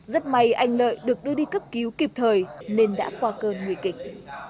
rất may anh lợi được đưa đi cấp cứu kịp thời nên đã qua cơn nguy kịch